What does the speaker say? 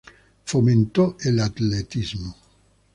Fomentó el atletismo.